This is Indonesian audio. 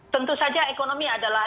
tentu saja ekonomi adalah